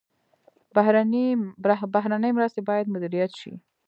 بهرنۍ مرستې باید مدیریت شي